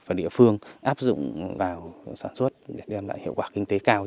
và địa phương áp dụng vào sản xuất để đem lại hiệu quả kinh tế cao